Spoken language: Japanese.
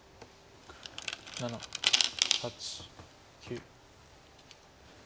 ７８９。